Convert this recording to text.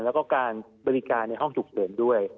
แล้วก็การบริการในห้องฉุกเฉินด้วย